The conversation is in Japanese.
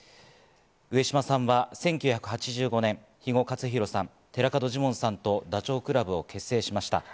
上島さんは１９８５年、肥後克広さん、寺門ジモンさんとダチョウ倶楽部を結成しました。